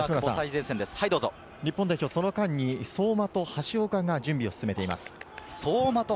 日本代表、その間に相馬と橋岡が準備を進めています。